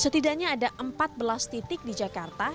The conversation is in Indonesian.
setidaknya ada empat belas titik di jakarta